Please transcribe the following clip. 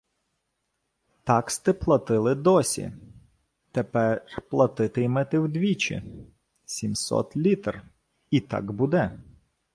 — Так сте платили досі Тепер платити-ймете вдвічі — сімсот літр. І так буде.